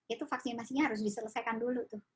itu vaksinasinya harus diselesaikan dulu tuh